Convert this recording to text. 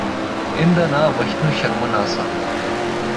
اُن دا ناں وشنو شرمن آسا۔